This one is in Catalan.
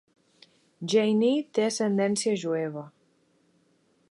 Jayne té ascendència jueva.